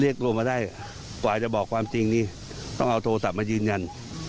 เรียกโรมาได้กว่าจะบอกความจริงรู้ต้องเอาโทรศัพท์มันยืนยัน